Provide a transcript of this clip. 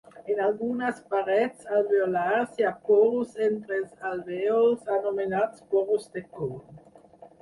En algunes parets alveolars hi ha porus entre els alvèols anomenats porus de Kohn.